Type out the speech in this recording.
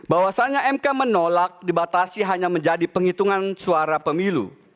bahwasannya mk menolak dibatasi hanya menjadi penghitungan suara pemilu